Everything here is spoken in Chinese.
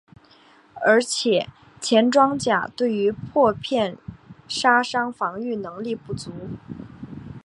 而且前装甲对于破片杀伤防御能力不足。